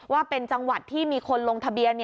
ว่าเป็นจังหวัดที่มีคนลงทะเบียน